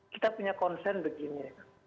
kita punya konsen begini